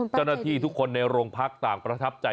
เจ้าหน้าที่ทุกคนในโรงพักต่างประทับใจ